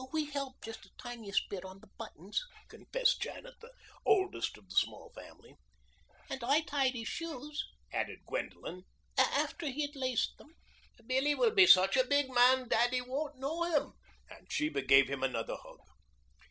"We helped just the teeniest bit on the buttons," confessed Janet, the oldest of the small family. "And I tied his shoes," added Gwendolen, "after he had laced them." "Billie will be such a big man Daddie won't know him." And Sheba gave him another hug.